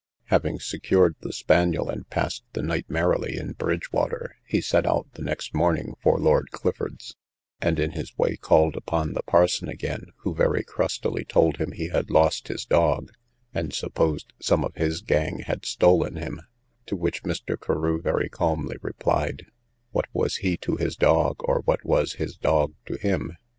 Having secured the spaniel, and passed the night merrily in Bridgewater, he set out the next morning for Lord Clifford's, and in his way called upon the parson again, who very crustily told him he had lost his dog, and supposed some of his gang had stolen him: to which Mr. Carew very calmly replied, What was he to his dog, or what was his dog to him?